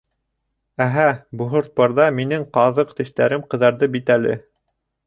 — Әһә, Бһуртпорҙа минең ҡаҙыҡ тештәрем ҡыҙарҙы битәле!